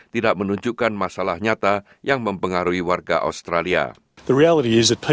tidak menunjukkan masalah nyata yang mempengaruhi warga australia